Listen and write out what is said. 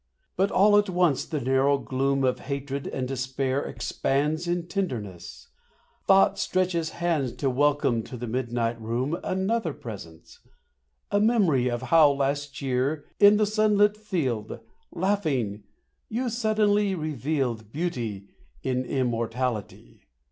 But all at once the narrow gloom Of hatred and despair expands In tenderness: thought stretches hands To welcome to the midnight room Another presence: a memory Of how last year in the sunlit field, Laughing, you suddenly revealed Beauty in immortality.